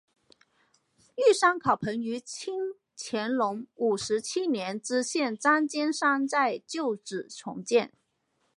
玉山考棚于清乾隆五十七年知县张兼山在旧址重建。